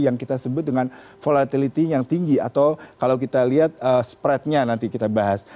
yang kita sebut dengan volatility yang tinggi atau kalau kita lihat spreadnya nanti kita bahas